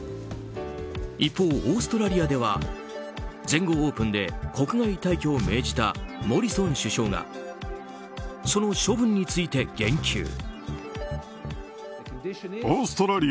一方、オーストラリアでは全豪オープンで国外退去を命じたモリソン首相がその処分について言及。